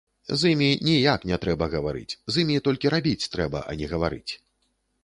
З імі ніяк не трэба гаварыць, з імі толькі рабіць трэба, а не гаварыць.